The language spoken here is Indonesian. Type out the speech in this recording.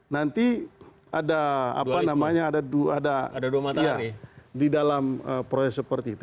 nanti ada apa namanya ada dua mata hari di dalam proses seperti itu